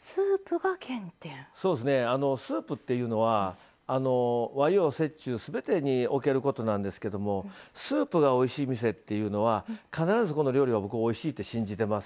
スープっていうのは和洋折衷すべてにおけることなんですけどスープがおいしい店っていうのは必ず、ここの料理はおいしいと信じてます。